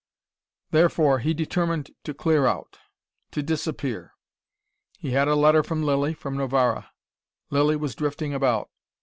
Therefore he determined to clear out to disappear. He had a letter from Lilly, from Novara. Lilly was drifting about.